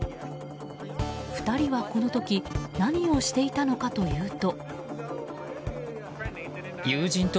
２人は、この時何をしていたのかというと。